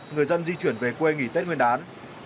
người dân di chuyển về quê nghỉ tết nguyên đán